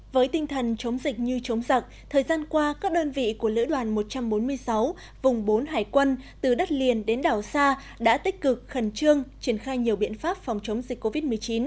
với tinh thần chống dịch như chống giặc thời gian qua các đơn vị của lữ đoàn một trăm bốn mươi sáu vùng bốn hải quân từ đất liền đến đảo xa đã tích cực khẩn trương triển khai nhiều biện pháp phòng chống dịch covid một mươi chín